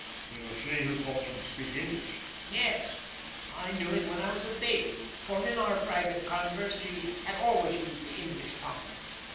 "It was she who taught you to speak English?" "Yes. I knew it when I was a baby, for in our private converse she has always used the English tongue.